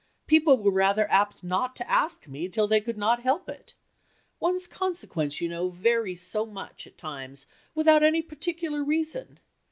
People were rather apt not to ask me till they could not help it; one's consequence, you know, varies so much at times without any particular reason.